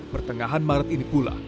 pertengahan maret ini pula